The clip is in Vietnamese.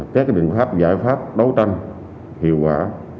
các biện pháp giải pháp đấu tranh hiệu quả